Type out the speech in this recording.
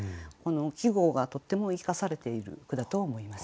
季語がとっても生かされている句だと思います。